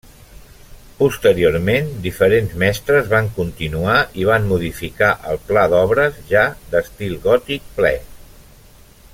Posteriorment, diferents mestres van continuar i van modificar el pla d'obres ja d'estil gòtic ple.